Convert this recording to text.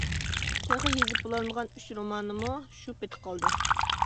تېخى يېزىپ بولالمىغان ئۈچ رومانىمۇ شۇ پېتى قالدى.